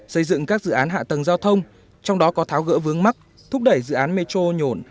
xây dựng các dự án hạ tầng giao thông trong đó có tháo gỡ vướng mắt thúc đẩy dự án metro nhổn